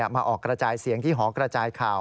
มาออกกระจายเสียงที่หอกระจายข่าว